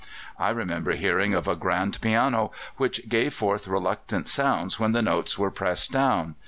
I remember hearing[A] of a grand piano which gave forth reluctant sounds when the notes were pressed down.